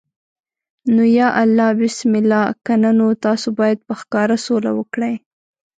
نو یا الله بسم الله، کنه نو تاسو باید په ښکاره سوله وکړئ.